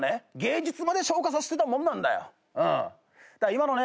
今のね